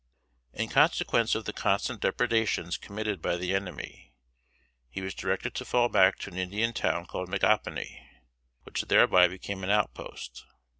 In consequence of the constant depredations committed by the enemy, he was directed to fall back to an Indian town called "Micanopy," which thereby became an outpost.